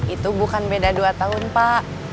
itu bukan beda dua tahun pak